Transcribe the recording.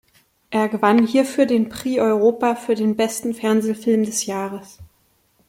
Er gewann hierfür den Prix Europa für den besten Fernsehfilm des Jahres.